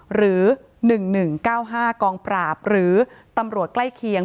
หรือ๑๑๙๕กองปราบหรือตำรวจใกล้เคียง